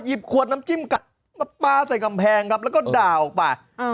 ขวดน้ำจิ้มกัดมาปลาใส่กำแพงครับแล้วก็ด่าออกไป